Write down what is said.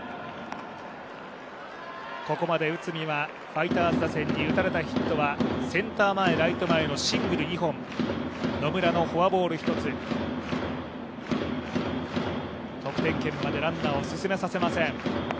ここまで内海はファイターズ打線に打たれたヒットはセンター前、ライト前のシングル２本、野村のフォアボール１つ、得点圏までランナーを進めさせません。